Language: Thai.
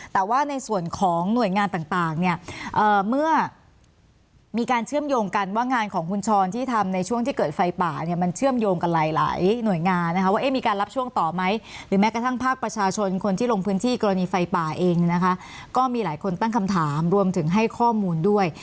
แต่ว่าในส่วนของหน่วยงานต่างเนี่ยเมื่อมีการเชื่อมโยงกันว่างานของคุณชรที่ทำในช่วงที่เกิดไฟป่าเนี่ยมันเชื่อมโยงกันหลายหลายหน่วยงานนะคะว่ามีการรับช่วงต่อไหมหรือแม้กระทั่งภาคประชาชนคนที่ลงพื้นที่กรณีไฟป่าเองเนี่ยนะคะก็มีหลายคนตั้งคำถามรวมถึงให้ข้อมูลด้วย